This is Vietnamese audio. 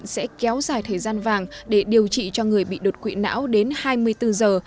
sẽ kéo dài thời gian vàng để điều trị cho người bị đột quỵ não đến hai mươi bốn giờ